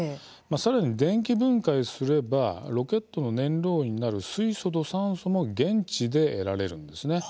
さらに、電気分解すればロケットの燃料になる水素と酸素も現地で得られるんですね。